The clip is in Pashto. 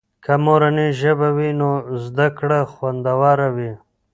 که مورنۍ ژبه وي نو زده کړه خوندور وي.